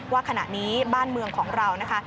ว่าขณะนี้บ้านเมืองของเรานะคะ